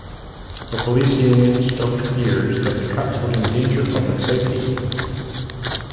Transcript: The police union stoked fears that the cuts would endanger public safety.